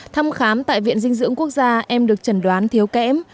thăm khám tại viện dinh dưỡng quốc gia em được trần đoán thiếu kẽm